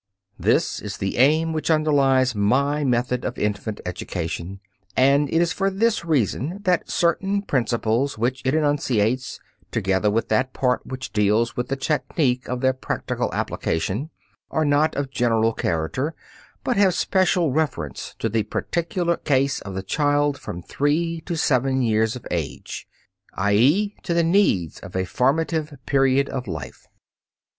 This is the aim which underlies my method of infant education, and it is for this reason that certain principles which it enunciates, together with that part which deals with the technique of their practical application, are not of a general character, but have special reference to the particular case of the child from three to seven years of age, i.e., to the needs of a formative period of life.